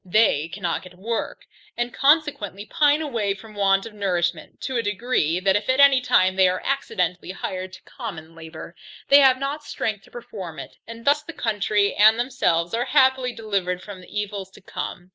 They cannot get work, and consequently pine away from want of nourishment, to a degree, that if at any time they are accidentally hired to common labour, they have not strength to perform it, and thus the country and themselves are happily delivered from the evils to come.